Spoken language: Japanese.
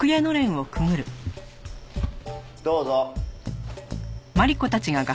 どうぞ。